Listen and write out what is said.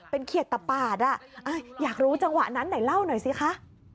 เป็นเขียดตะปาดอ่ะอยากรู้จังหวะนั้นไหนเล่าหน่อยสิคะ